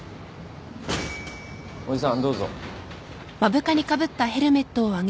おじさんどうぞ。